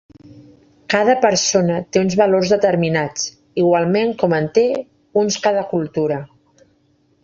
Cada persona té uns valors determinats, igualment com en té uns cada cultura.